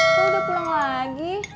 tuh udah pulang lagi